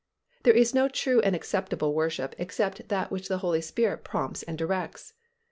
There is no true and acceptable worship except that which the Holy Spirit prompts and directs.